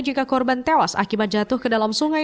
jika korban tewas akibat jatuh ke dalam sungai